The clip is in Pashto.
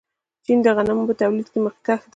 چین د غنمو په تولید کې مخکښ دی.